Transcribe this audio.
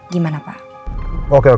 dengan lokasi seminar beliau